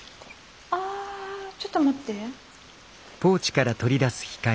あちょっと待って。